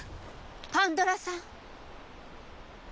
パンドラさん。